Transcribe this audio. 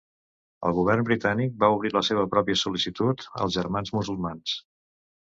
El govern britànic va obrir la seva pròpia sol·licitud als Germans Musulmans.